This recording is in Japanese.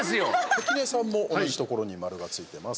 関根さんも同じところに丸がついてます。